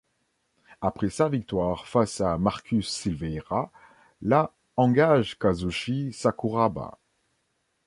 Après sa victoire face à Marcus Silveira, la engage Kazushi Sakuraba.